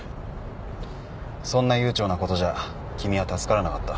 そんな悠長なことじゃ君は助からなかった。